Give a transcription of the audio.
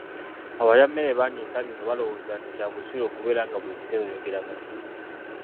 Abalyammere bangi ensangi zino balowooza nti kya bussiru okubeera nga buli kiseera oyogera mazima.